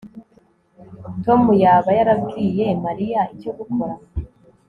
Tom yaba yarabwiye Mariya icyo gukora